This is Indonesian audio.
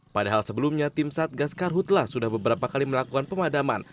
padahal sebelumnya tim satgas karhutlah sudah beberapa kali melakukan pemadaman